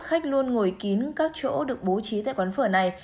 khách luôn ngồi kín các chỗ được bố trí tại quán phở này